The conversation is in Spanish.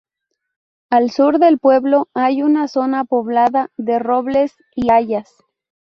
Al sur del pueblo hay una zona poblada de robles y hayas.